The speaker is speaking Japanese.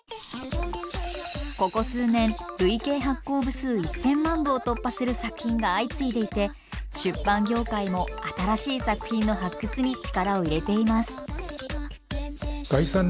ここ数年累計発行部数１，０００万部を突破する作品が相次いでいて出版業界も新しい作品の発掘に力を入れています。